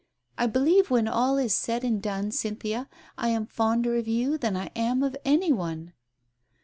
I believe, when all is said and done, Cynthia, I am fonder of you than I am of any one